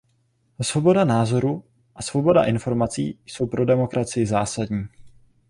Svoboda názoru a svoboda informací jsou pro demokracii zásadní.